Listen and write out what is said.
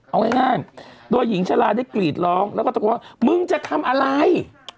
เอาง่ายโดยหญิงชะลาได้กรีดร้องแล้วก็ตะโกนว่ามึงจะทำอะไร